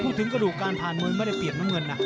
กระดูกการผ่านมวยไม่ได้เปรียบน้ำเงินนะ